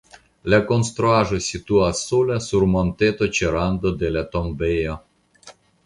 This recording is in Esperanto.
La konstruaĵo situas sola sur monteto ĉe rando de la tombejo.